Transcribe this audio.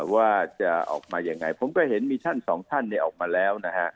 ว่าจะออกมายังไงผมก็เห็นมีท่านสองท่านออกมาแล้วนะฮะ